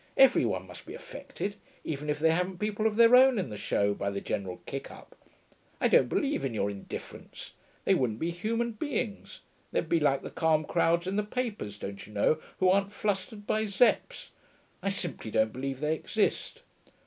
Every one must be affected, even if they haven't people of their own in the show, by the general kick up. I don't believe in your indifferents; they wouldn't be human beings. They'd be like the calm crowds in the papers, don't you know, who aren't flustered by Zepps. I simply don't believe they exist.'